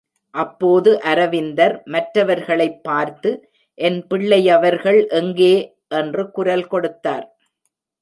அப்போது அரவிந்தர் மற்றவர்களைப் பார்த்து, என் பிள்ளையவர்கள் எங்கே? என்று குரல் கொடுத்தார்!